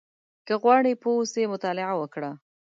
• که غواړې پوه اوسې، مطالعه وکړه.